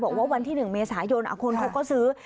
บอกว่าวันที่๑เมียสายนอ๋อคนเขาก็ซื้อ